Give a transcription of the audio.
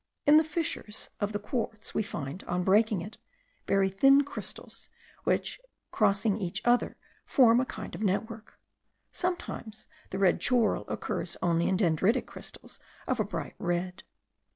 In the fissures of the quartz we find, on breaking it, very thin crystals, which crossing each other form a kind of network. Sometimes the red schorl occurs only in dendritic crystals of a bright red.